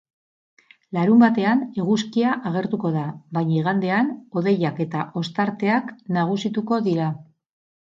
Larunbatean eguzkia agertuko da, baina igandean hodeiak eta ostarteak nagusituko dira.